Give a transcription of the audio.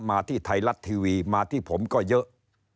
มาที่ไทยรัฐทีวีมาที่ผมก็เยอะ